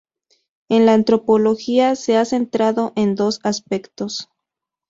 En la antropología se ha centrado en dos aspectos.